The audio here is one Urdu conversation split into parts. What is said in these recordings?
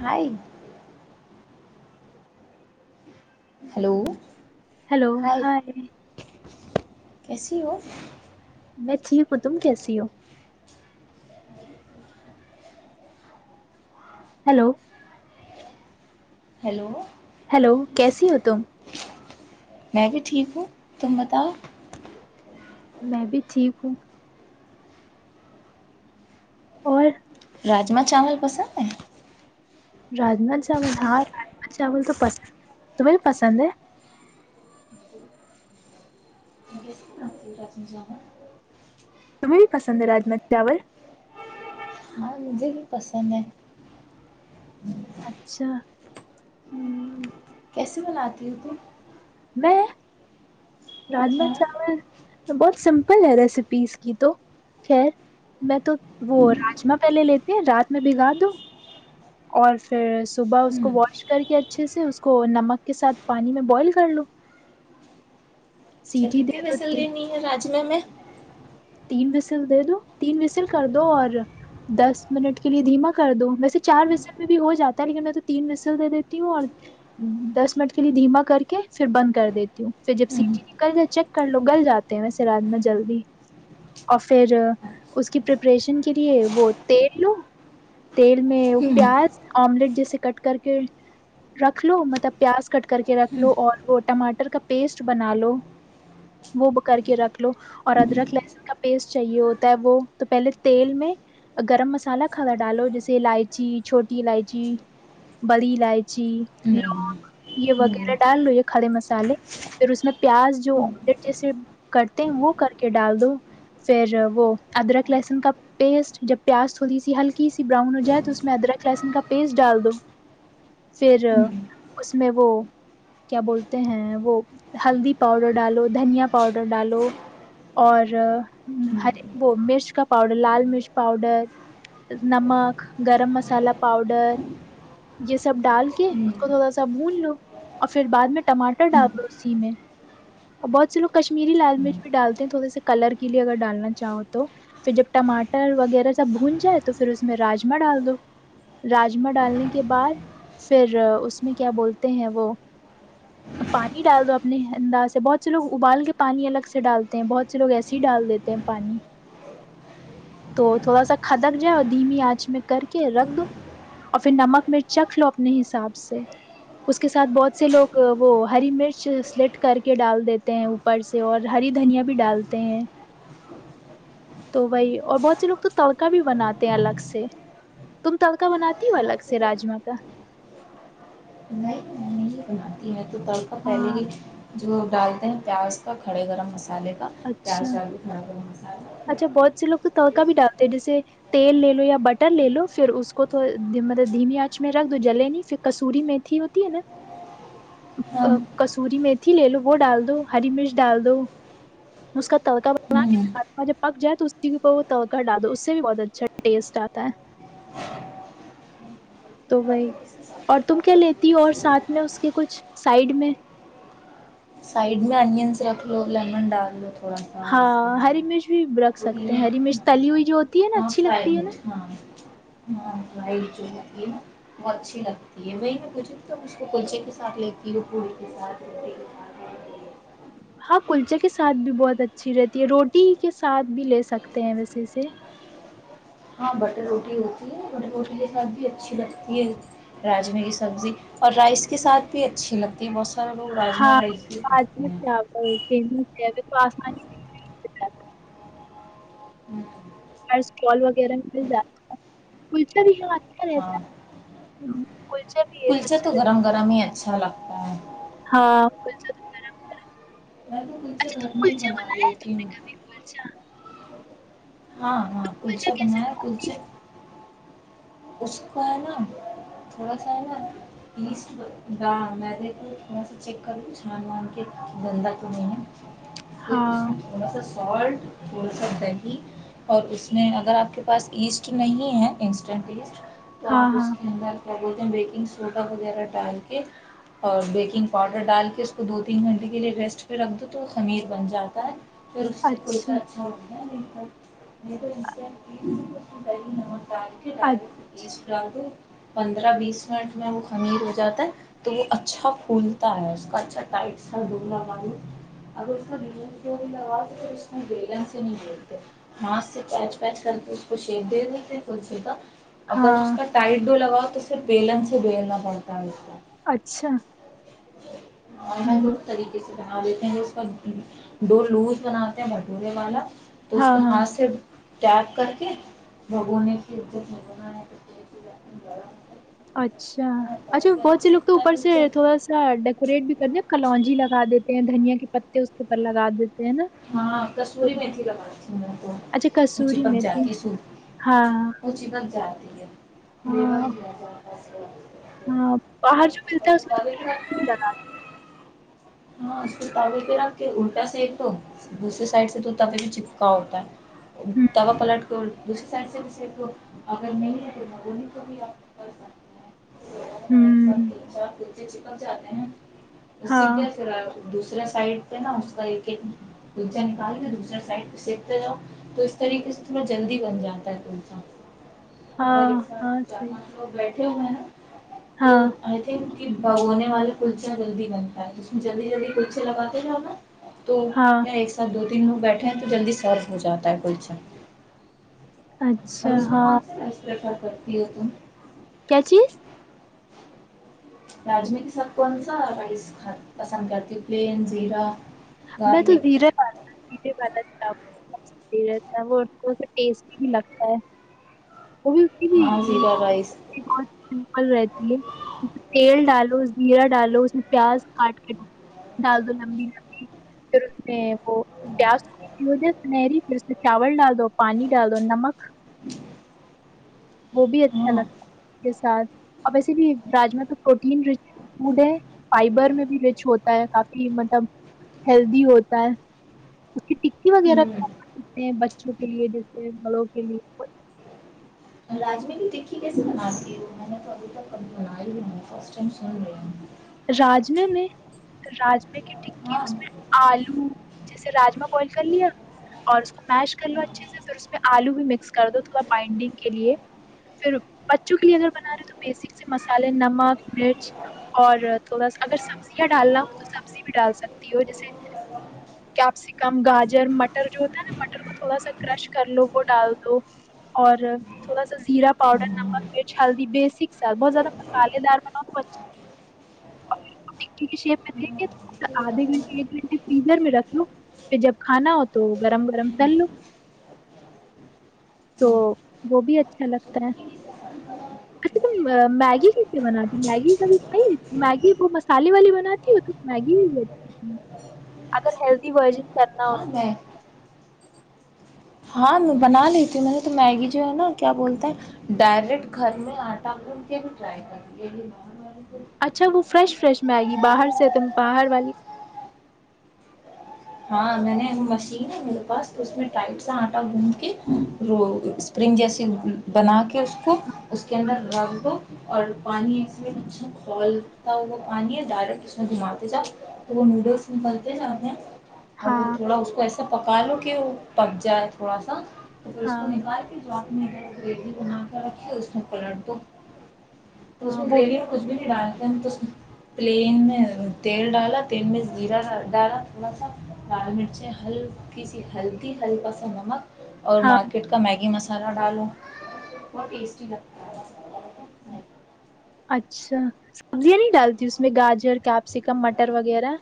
ہائے ہیلو ہیلو ہائے کیسیے ہو میں ٹھیک ہوں تم کیسی ہو ہیلو ہیلو ہیلو کیسی ہو تم میں بھی ٹھیک ہوں تم بتاؤ میں بھی ٹھیک ہوں اور راجما چاول پسند ہے راجما چاول ہاں راجما چاول تو پسند ہے تمہیں پسند ہے کیسے بناتی ہو راجما چاول؟ تمہیں بھی پسند ہے راجما چاول ہاں مجھے پسند ہے اچھا ہ کیسے بناتی ہو میں راجما کھانا چاول بہت سمپل ہے ریسیپیز کی تو خیر میں تو وہ راجما پہلے لیتے ہیں رات میں بھگا دو اور پھر صبح اس ہوں کو واش کر کے اچھے سے اس کو نمک کے ساتھ پانی میں بوائل کر لو اچھا سیٹھی کتنی دے وزٹ دو دینی ہے راجمہ میں تین وسل دے دو تین وسل کر دو اور دس منٹ کے لیے دھیما کر دو چار بسٹل میں بھی ہو جاتا ہے میں تین بسٹیل دے دیتی ہوں دس منٹ کے لیے دھیما کر کے پھر بند کر دیتی ہوں جب سیٹی نکل جائے تو چیک کر لو گل جاتے ہیں راجمہ جلدی اور پھر اس کی پریپریشن کے لیے وہ تیل لو تیل میں ہوں پیاز آملیٹ جیسے کٹ کر کے رکھ لو مطلب پیاز کٹ کر کے رکھ لو اور وہ ٹماٹر کا پیسٹ بنا لو وہ کر کے رکھ لو اور ادرک لہسن کا پیسٹ چاہیے ہوتا ہے وہ تو پہلے تیل میں گرم مسالہ کھدا ڈالو جیسے الائچی چھوٹی الائچی بڑی الائچی جی ہوں لونگ یہ ہوں وغیرہ ڈال لو یہ کھڑے مسالے پھر اس میں پیاز ہوں جو ہوں آمڈٹ جیسے کرتے ہیں وہ کر کے ڈال دو پھر وہ ادرک لہسن کا پیسٹ جب پیاز تھوڑی سی ہلکی سی براؤن ہو جائے تو اس میں ادرک لہسن کا پیسٹ ڈال دو پھر اس میں وہ کیا بولتے ہیں وہ ہلدی پاؤڈر ڈالو دھنیا پاؤڈر ڈالو اور مرچ کا پاؤڈر لال مرچ پاؤڈر نمک گرم مسالہ پاؤڈر یہ سب ڈال کے اس کو تھوڑا سا بھون لو اور پھر بعد میں ٹماٹر ڈالو اسی میں اور بہت سے لوگ کشمیری لال مرچ بھی ڈالتے ہیں تھوڑے سے کلر کے لیے اگر ڈالنا چاہو تو پھر جب ٹماٹر وغیرہ سب بھون جائے تو پھر اس میں راجما ڈال دو راجما ڈالنے کے بعد پھر اس میں کیا بولتے ہیں وہ پانی ڈال دو اپنے انداز سے بہت سے لوگ ابال کے پانی الگ سے ڈالتے ہیں بہت س سے لوگ ایسے ہی ڈال دیتے ہیں پانی تو تھوڑا سا کھدک جا دھیمی آنچ میں کر کے رکھ دو اور پھر نمک مرچ چکھ لو اپنے حساب سے اس کے ساتھ بہت سے لوگ وہ ہری مرچ سلیٹ کر کے ڈال دیتے ہیں اوپر سے اور ہری دھنیا بھی ڈال ہیں تو وہی اور بہت سے لوگ تو تڑکا بھی بناتے ہیں الگ سے تم تڑکا بناتی ہو الگ سے راجما کا نہیں میں [unintelligible] تڑکا پہلے ہاں ہی جو ڈالتے ہیں پیاز کا کھڑے گرم مصالحے مصالے کا پیار اچھا ڈال کے کھڑا گرم مصالحہ اچھا بہت سے لوگ تو تڑکا بھی ڈالتے ہیں جیسے تیل لے لو یا بٹر لے لو پھر اس کو مطلب دھیمی آنچ میں رکھ دو جلی نہیں پھر کسوری میتھی ہوتی ہے نا ہاں کسوری سوری میتھی لے لو وہ ڈال دو ہری مرچ ڈال دو اس کا تڑکا بنا ہوں کے اور جب پک جائے تو اسی کے اوپر وہ تڑک ڈال دو اس سے بھی بہت اچھا ٹیسٹ آتا ہے تو وہی اور تم کیا لیتی ہو اور ساتھ میں اس کے کچھ سائڈ میں سائیڈ میں اونین سے رکھلو لو لیمن ڈال تھوڑا سا ہاں ہری مرچ بھی رکھ سکتے ہیں ہری مچ تلی ہوئی جو ہوتی ہے نا ہاں اچھی فرائی لگتی ہے نا مرچ، ہاں ہاں وائٹ جو ہوتی ہے نا وہ اچھی لگتی ہے وہی میں مھے اس کو کلچے کے ساتھ لیتی پوڑی کے ساتھ روے کے سات ہاں کلچے کے ساتھ بھی بہت اچھی رہتی ہے روٹی کے ساتھ بھی لے سکتے ہیں ویسےے ہاں بٹر روٹی ہوتی ہے بٹر روٹی کے ساتھ بھی اچھی لگتی ہے راجمے کی سبزی اور رائس کے ساتھ بھی اچھی لگتی بہت سارے لوگ رازمرائز بھی کھاتے ہیں پہلے تو اسمانی نہیں دکھ رہا تھا اور اسٹال وغیرہ میں مل جاتا ہے کلچا بھی ہم آ کا ہاں رہتا کلچا تو گرم گرم ہی ہے اچھا لگتا ہے ہاں کلچا تو گرم گرم ہی کلچا گھر میں ہی بنا لیتی نے ہوں کلچا ہاں ہاں کلچا کلچے کیسے بنایا بناتی کلچے ہو اس کا ہے نا تھوڑا سا ہے نا پیسٹ کر لو معدہ کو چیک کر لو چھان بان کے گندا تو نہیں ہے پھر اس ہاں میں تھوڑا سا سالٹ تھوڑ سا دہی اور اس میں اگر آپ کے پاس ایسٹ نہیں ہے انسٹینٹ ایسٹ تو ہاں آپ اس ہاں کے اندر کیا بولتے ہیں بیکنگ سوڈا وغیرہ ڈال کے اور بیکنگ پاؤڈر ڈال کے اس کو دو تین گھنٹے کے لیے ریسٹ پہ رکھ دو تو خمیر بن جاتا ہے پھر اس سے پ سا اچھا میر [unintelligible] ڈال کے اچ- ڈر پندرہ بیس منٹ میں وہ خمیر ہو جاتا ہے تو وہ اچھا پولتا ہے اس کا اا لگا اگر اس لگا اس بین ہی نہیں بتے ہاتھ سے پچ کر کے اس کو شی دے دیتے کلسی کا اگر ہاں کا تائٹ ڈولاگا تو صرف بیلن سے ہی بیلنا پڑتا ہے کا اچھا ہ ہوں گ طریق سے بنا دیتے ہیں اس کا ڈ لوز بناتے ہیں بھٹورے والا تو اس ہاں کو ہاں ہاتھ سے ٹیگ کر کے بھگونے کی عزت نہیں بنا گرم اچھا اچھا بہت سے لوگ تو اوپر سے تھوڑا سا ڈیکوریٹ بھی کر د کلونجی لگا دیتے ہیں دھنیا کے پتے اس کے پرر لگا دیتے ہیں نا ہاں کسور تو میںھی لگی تھی اچھا اونچی کسوری پک میتھی جاتی س ہاں اونچی پک جات جٹھ ہے دوا ہاں بھی ہاں باہر جو ملتا ہے اس میں توے پہ رکھ تو لگا ہاں اس کا بھی پ را کہ الٹا سح تو دوسری سائڈ سے توتا پ بھی چپکا ہوتا ہے ہوں دا پلٹ دوسری سائڈ سے کے کو اگر نہیں تو تو انیں کو بھی آپ کر سکتے ہیں ہوں پچ [unintelligible] ل جاتے ہیں اس سید ہاں دیا سے دوسرے سائڈ سے نا اس کا ایک ایک تچا نکال کے دوسرا سائڈ سکتا جاؤ تو اس طریقے سے تھوڑا جلدی بن جاتا ہے تلچا ہاں ہاں صحیح ب ا ہو ہے تو ہاں آئی تھنک بگونے والا کلچا جلدی بنتا ہے جلدی جلدی کلچے لگاتے تھ تو ہاں کیا ایک ساتھ دو تینوں بیٹھے ہیں تو جلدی صرف ہو جاتا ہے کوئیچا اور اچھا اس میں ہاں کون سا کرتی تو کیا چیز راجم کے سب کون سا رائس پسند کرتی پلین زیرا میں تو زیرے پا زیرے پا تھا رہتا ہے وہ اس کو ٹیسٹی بھی لگتا ہے وہ بھی اس کی ہاں زیرہ رائس بھی بہت سمپل رہتی ہے تیل ڈالو جیرا ڈالو اس میں پیاز کاٹ کے ڈال دو لمبی پھر اس میں وہ پیاز کو مجے سنری پھر اس میں چاول ڈال دو پانی ڈال دو نمک وہ بھی اچھا ہاں لگتا کے ساتھ اب ویسے بھی راجما تو پروٹین رچ فوڈ ہے فائبر میں بھی رچ ہوتا ہے کافی مطلب ہیلدی ہوتا ہے کی ہوں وغیرہتے بچوں کے لیے جیسے بڑوں کے لیے راجمی بھی دیکھی کیسے بناتی میں نے تو ابھی تک ابھی بنائی ہی نہیں فسٹ ٹم سن رہی ہوں راجمے میں راجمے کی ٹکی ہاں اس میں آلو جیسے راجما بوائل کر لیا اور اس کو میش کر لو اچھے سے پھر اس میں آلو بھی مکس کر دو تھوڑا بائنڈنگ کے لیے پھر بچوں کے لیے اگر بنا رہے تو بیسک سے مسالے نمک مرچ اور اا اگر سبزیاں ڈالنا ہو تو سبزی بھی ڈال سکتی ہو جیسے کیپسکم گاجر مٹر جو ہوتا ہے نا مٹر کو تھوڑا سا کرش کر لو وہ ڈال دو اور تھوڑا سا زیرا پاؤڈر نمک مرچ ہلدی بیسک س بہت زیادہ مسالے دار بنا دو ش میں دیک آدھے گھنٹے ایک گھنٹے فریزر میں رکھ لو پھر جب کھانا ہو تو گرم گرم تل لو تو وہ بھی اچھا لگتا ہے اچھا میگی کیسے بنا دی میگی کبھی کھائی میگی وہ مسالے والی بناتی ہو تو میگی ہو رہتی اگر ہیلدی ورژن کرنا ہو اے ہاں میں بنا لی ت ہوں میں نے تو میگی جو ہے نا کیا بولتا ہے ڈائریکٹ گھر میں آٹا بھون کے بھی ٹرائی کر کے اچھا وہ فریش فریش میگی باہر سے تم باہر والی ہاں میں نے مشین ہے میرے پاس اس ٹائٹ سا آٹا گھند کے اسپرنگ جیسے بنا کے اس کو اس کے اندر رکھ دو اور پانی اچا کھولتا ہو پانی ہے ڈرٹ اس گھماتے جاؤ وہ نوڈل نکلتے جاتے ہیں ا ہاں وہ تھوڑا اس کو ایسا ا پکا لو کہ وہ پک جائے تھوڑا سا تو پھر اس کو ہاں نکال کے جو آپ م نے بیٹیی بنا کر رکھی اس میں پلٹ دو اس ہاں وہ ڈری میں کچھ بھی نہیں ڈالیں پلین میں تیل ڈالا تیل میں زیرہ ڈالا تھوڑا سا لال مرچیں ہلکی سی ہلدی ہلکا سا نمک اور ہاں مارکیٹ کا میگی مسالہ ڈالو ب ٹیسٹی لگتا اچھا سبزیاں نہیں ڈالتی اس میں گاجر کیپسیکم مٹر وغیرہ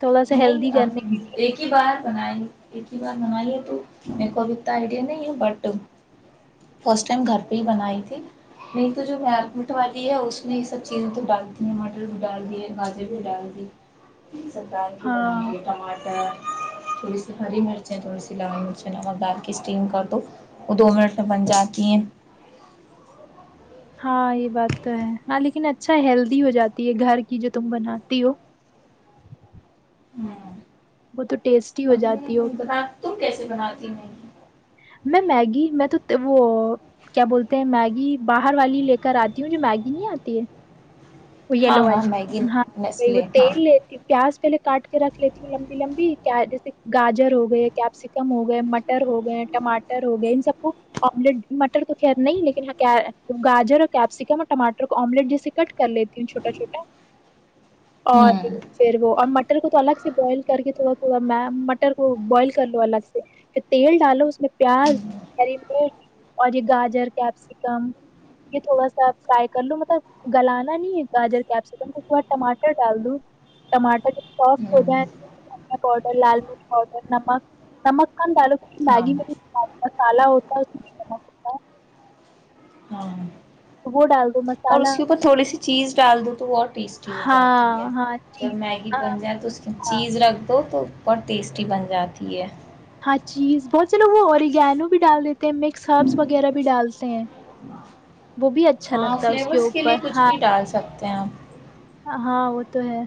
تھوڑا سا نہیں ہیلدی اب کرنے کے- ایک ایک ہی بار بنائی ایک ہی بار بنائی ہے تو میرے کو اب اتنا آئیڈیا نہیں ہے بٹ فسٹ ٹائم گھر پہ ہی بنائی تھی نہیں تو جو میرمٹ والی ہے اس نے یہ سب چیزیں تو ڈال دیتی ہیں مٹر بھی ڈال دیے گاجر بھی ڈال دی ہاں [unintelligible] تھوڑی سی ہری مرچیں تھوڑی سی لال مرچیں نمک ڈال کے اسٹیم کر دو وہ دو منٹ میں بن جاتی ہیں ہاں یہ بات تو ہے ہاں لیکن اچھا ہیلدی ہو جاتی ہے گھر کی جو تم بناتی ہو ہوں بتر اور تم دا تو بناتی نہیں میں میگی میں تو وہ کیا بولتے ہیں میگی باہر والی لے کر آتی ہوں جو میگی نہیں آتی ہے وہ ہاں یلو ہاں والی میگی ہاں وہ نیسلے ہاں تیل لیتی پیاز پہلے کاٹ کے رکھ لیتی ہوں لمبی لمبی جیسے گاجر ہو گئے کیپسیکم ہو گئے مٹر ہو گئے ٹاٹر ہو گئے ان سب کو آملیٹ مٹر تو خت نہیں لیکن گاجر اور کیپسیکم اور ٹماٹر کو آملیٹ جیسے کٹ کر لیتی چھوٹا چھوٹا اور ہوں پھر وہ اور ر کو الگ سے بوائل کر کے تھوڑا تھوڑا مٹر کو بوائل کر لو الگ سے پھر تیل ڈالو اس میں پیاز ہری مرچ اور یہ گاجر کیپسیکم یہ تھوڑا سا فرائی کر لو مطلب گلانا نہیں ہے گاجر کیپسکم اس کے بعد ٹماٹر ڈال دوں ٹماٹر سافٹ ہو ہوں جائے دن پاؤڈر لال مر نمک مکان ڈالو کیہ ہاں میگی میں بھی مسالہ ہوتا ہے ا ہاں اور مسالہ اس کے اوپر تھوڑی سی چیز ڈال دو تو وہ ٹیسٹی ہو جاتی ہے ہاں ہاں جب چیز میگی ہاں بن جائے تو اس کی ہاں چیز رکھ دو تو اور ٹیسٹی بن جاتی ہے ہاں چیز بہت سے لوگ اوریگینو بھی ڈال دیتے ت مکس سرپس وغیرہ بھی ڈالتے سے ہے وہ بھی اچھا لگتا ہے اس کے اوپر ہاں پم ہاں وہ تو ہے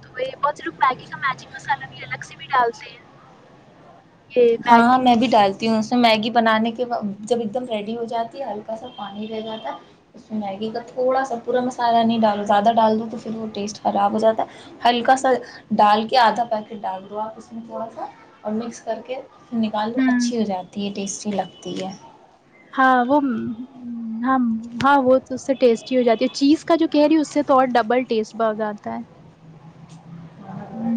تو بہت لوگ میگی کا میجگ مسالہ بھی الگ سے بھی ڈالتے ہیں یہ ہاں میگی میں بھی ڈالتی ہوں تو میگی بنانے کے جب ایک دم ریڈی ہو جاتی ہے ہلکا سا پانی رہ جاتا ہے اس میں میگی کا تھوڑا سا پورا مسالہ نہیں ڈالو زیادہ ڈال دو تو پھر وہ ٹیسٹ خراب ہو جاتا ہے ہلکا سا ڈال کے آدھا پیکٹ ڈال دو آپ اس میں تھوڑا سا اور مکس کر کے نکالو ہوں اچھی ہو جاتی ہے ٹیسٹی لگ ہے تی ہے ہاں وہ ہاں ہاں وہ اس سے ٹیسٹی ہو جاتی ہے چیز کا جو کہہ رہی اس سے تو اور ڈبل ٹیسٹ ب ہو جاتا ہے ہوں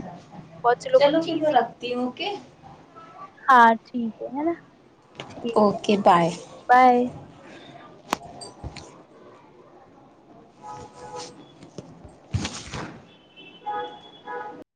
بہت سے لوگ کو چلو پھر چیز میں ہی، رکھتی ہوں ک ہاں ٹھیک ہے ہے نا ٹھیک ہے اوکے بائے بائے ااںک ب